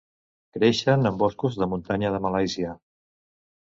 Creixen en boscos de muntanya de Malàisia.